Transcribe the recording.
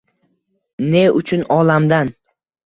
Ne uchun olamdan